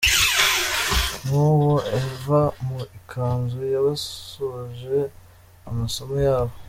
Nguwo Eva mu ikanzu y'abasoje amasomo yabo.